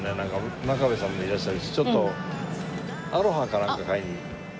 真壁さんもいらっしゃるしちょっとアロハかなんか買いに。